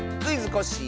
コッシー」